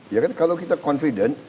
ya kan kalau kita confident